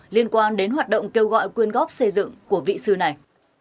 liên quan đến hoạt động kêu gọi quyên góp xây dựng của vị sư này